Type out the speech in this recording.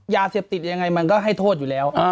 ยาเสพติดยังไงมันก็ให้โทษอยู่แล้ว